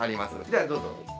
ではどうぞ。